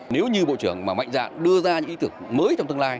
nếu như bộ trưởng mà mạnh dạn đưa ra những ý tưởng mới trong tương lai